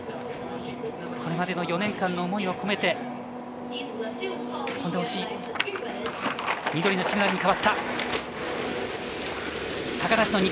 これまでの４年間の思いを込めて飛んでほしい。